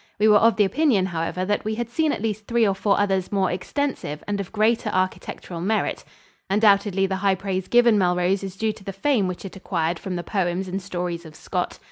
We were of the opinion, however, that we had seen at least three or four others more extensive and of greater architectural merit. Undoubtedly the high praise given Melrose is due to the fame which it acquired from the poems and stories of Scott.